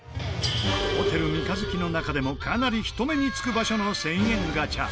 ホテル三日月の中でもかなり人目につく場所の１０００円ガチャ。